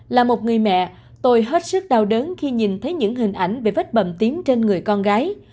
là một người mẹ tôi hết sức đau đớn khi nhìn thấy những hình ảnh về vết bầm tím trên người con gái